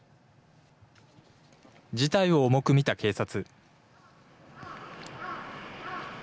事態を重く見た警察。